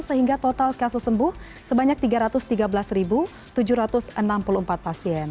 sehingga total kasus sembuh sebanyak tiga ratus tiga belas tujuh ratus enam puluh empat pasien